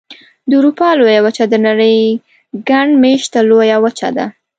د اروپا لویه وچه د نړۍ ګڼ مېشته لویه وچه ده.